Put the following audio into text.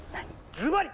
ズバリ！